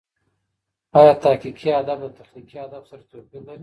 آیا تحقیقي ادب له تخلیقي ادب سره توپیر لري؟